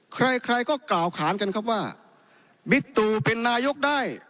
ใครใครก็กล่าวขานกันครับว่าบิ๊กตูเป็นนายกได้